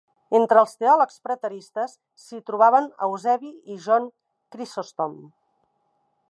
Entre els teòlegs preteristes s'hi trobaven Eusebi i John Chrysostom.